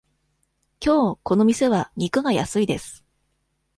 きょうこの店は肉が安いです。